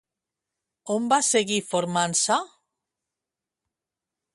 On va seguir formant-se?